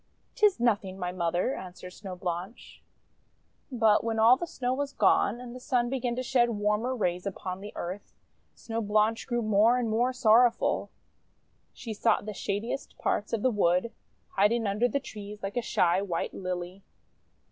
Tis nothing, my Mother," answered Snow Blanche. But when all the Snow was gone, and the Sun began to shed warmer rays upon the earth, Snow Blanche grew more and more sorrowful. She sought the shadiest parts of the wood, hiding under the trees like a shy white Lily.